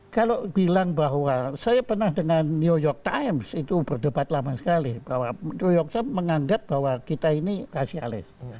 kalau bilang bahwa saya pernah dengan new york times itu berdebat lama sekali bahwa new york tim menganggap bahwa kita ini rasialis